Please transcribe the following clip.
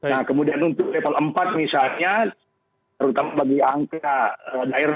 nah kemudian untuk level empat misalnya terutama bagi angka daerah